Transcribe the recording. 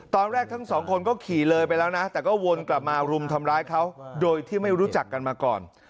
ตอนแรกทั้งสองคนก็ขี่เลยไปแล้วนะแต่ก็วนกลับมารุมทำร้ายเขาโดยที่ไม่รู้จักกันมาก่อน